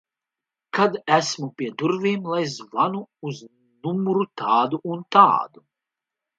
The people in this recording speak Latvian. Kad esmu pie durvīm, lai zvanu uz numuru tādu un tādu.